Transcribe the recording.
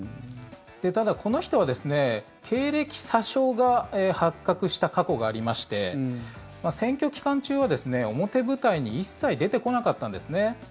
ただ、この人は経歴詐称が発覚した過去がありまして選挙期間中は表舞台に一切出てこなかったんですね。